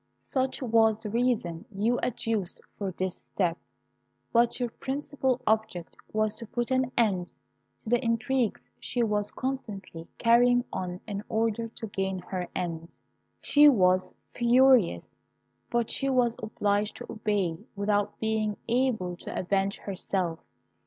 Such was the reason you adduced for this step; but your principal object was to put an end to the intrigues she was constantly carrying on in order to gain her end. "She was furious; but she was obliged to obey without being able to avenge herself.